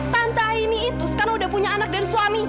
tante ini itu sekarang udah punya anak dan suami